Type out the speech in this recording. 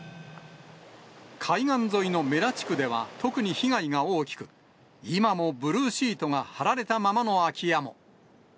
海岸沿いの布良地区では特に被害が大きく、今もブルーシートが張られたままの空き家も。